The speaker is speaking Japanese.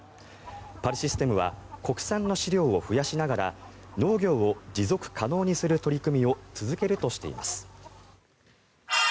パルシステムは国産の飼料を増やしながら農業を持続可能にする取り組みを続けるとしています。